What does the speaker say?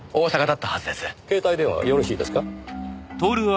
携帯電話よろしいですか？